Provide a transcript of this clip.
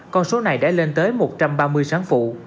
con số này đã lên tới một trăm ba mươi sáng phụ